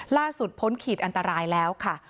ล่าสุดพ้นขีดอันตรายแล้วค่ะ